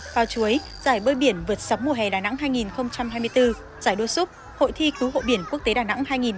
phao chuối giải bơi biển vượt sóng mùa hè đà nẵng hai nghìn hai mươi bốn giải đôi xúc hội thi cứu hộ biển quốc tế đà nẵng hai nghìn hai mươi bốn